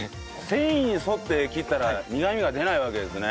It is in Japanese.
繊維に沿って切ったら苦みが出ないわけですね。